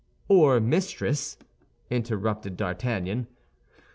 "Or his mistress," interrupted D'Artagnan.